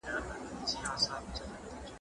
د سرحدونو ټاکل د قبيلو ترمنځ شخړې پای ته رسوي.